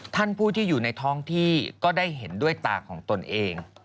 ท่านผู้ที่อยู่ในท้องที่ก็ได้เห็นด้วยตาของตนเอง